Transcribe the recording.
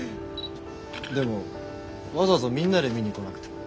でもわざわざみんなで見に来なくても。